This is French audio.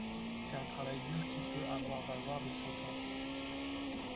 C'est un travail dur qui peut avoir valoir de sentence.